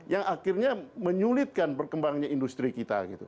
yang akhirnya menyulitkan perkembangannya industri kita gitu